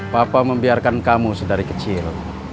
papa membiarkan kamu sedari kecil